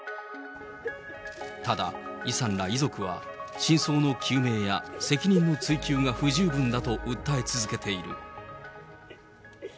ただ、イさんら遺族は、真相の究明や責任の追及が不十分だと訴え続けている。